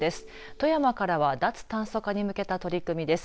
富山からは脱炭素化に向けた取り組みです。